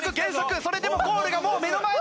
それでもゴールがもう目の前だ！